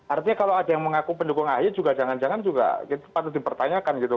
artinya kalau ada yang mengaku pendukung ahi juga jangan jangan juga patut dipertanyakan gitu